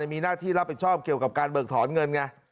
มีหน้าที่รับผิดชอบเกี่ยวกับการเบิกถอนเงินไง